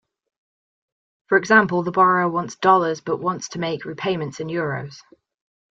For example, the borrower wants dollars but wants to make repayments in euros.